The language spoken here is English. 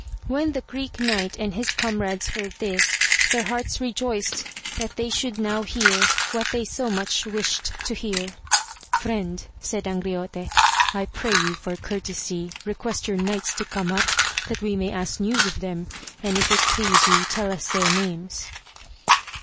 When the Greek Knight and his comrades heard this, their hearts rejoiced, that they should now hear, what they so much wished to hear. Friend, said Angriote, I pray you for courtesy, request your knights to come up, that we may ask news of them, and if it please you, tell us their names.